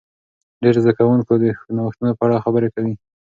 ډیر زده کوونکي د نوښتونو په اړه خبرې کوي.